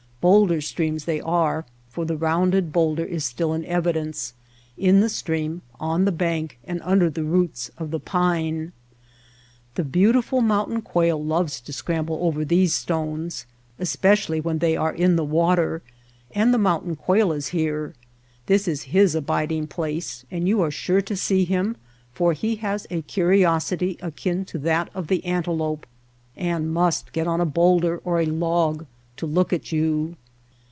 Bowlder streams they are, for the rounded bowl der is still in evidence — in the stream, on the bank, and under the roots of the pine. MOUNTAIN BAERIERS 223 The beautiful mountain quail loves to scram ble over these stones, especially when they are in the water ; and the mountain quail is here. This is his abiding place, and you are sure to see him, for he has a curiosity akin to that of the antelope and must get on a bowlder or a log to look at you.